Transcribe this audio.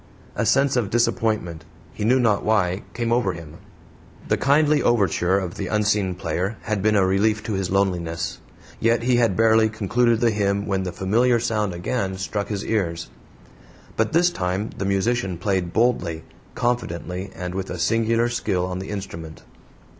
A sense of disappointment, he knew not why, came over him. The kindly overture of the unseen player had been a relief to his loneliness. Yet he had barely concluded the hymn when the familiar sound again struck his ears. But this time the musician played boldly, confidently, and with a singular skill on the instrument.